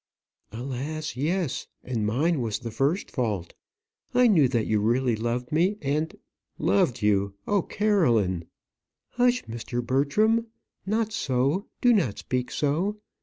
"Alas, yes! and mine was the first fault. I knew that you really loved me, and " "Loved you! Oh, Caroline!" "Hush, Mr. Bertram; not so; do not speak so.